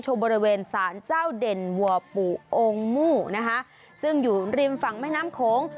บริเวณสารเจ้าเด่นวัวปู่องค์มู่นะคะซึ่งอยู่ริมฝั่งแม่น้ำโขง